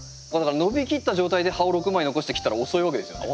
伸びきった状態で葉を６枚残して切ったら遅いわけですよね。